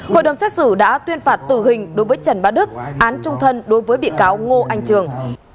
hội đồng xét xử đã tuyên phạt tử hình đối với trần bá đức án trung thân đối với bị cáo ngô anh trường